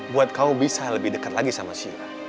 buat kamu bisa lebih dekat lagi sama sila